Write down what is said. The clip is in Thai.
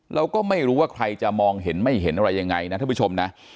เราก็ไม่รู้ว่าใครจะมองเห็นไม่เห็นอะไรยังไงนะท่านผู้ชมนะ